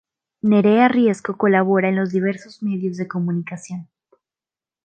Nerea Riesco colabora en diversos medios de comunicación.